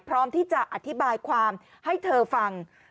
พร้อมที่จะอธิบายความให้เธอฟัง